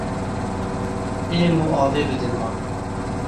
Êm û avê bidin wan.